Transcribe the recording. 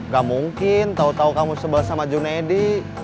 gak mungkin tau tau kamu sebel sama junaidi